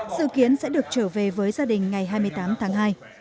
dự kiến sẽ được trở về với gia đình ngày hai mươi tám tháng hai